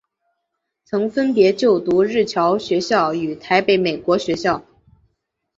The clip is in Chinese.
曾分别就读日侨学校与台北美国学校。